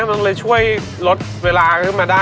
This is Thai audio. มันเลยช่วยลดเวลาขึ้นมาได้